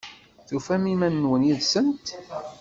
Tufam iman-nwen yid-sent?